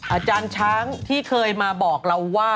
อาจารย์ช้างที่เคยมาบอกเราว่า